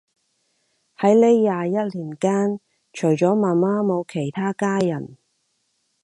喺呢廿一年間，除咗媽媽冇其他家人